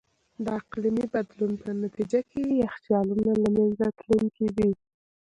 د اقلیمي بدلون په نتیجه کې یخچالونه له منځه تلونکي دي.